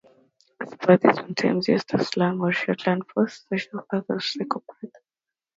Spath is sometimes used as slang, or shorthand, for "sociopath" or "psychopath".